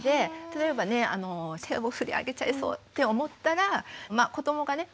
例えばね手を振り上げちゃいそうって思ったら子どもがね